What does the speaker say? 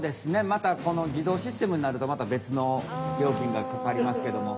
またこのじどうシステムになるとまたべつのりょうきんがかかりますけども。